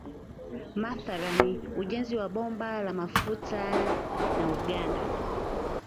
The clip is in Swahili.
Mathalani ujenzi wa bomba la mafuta na Uganda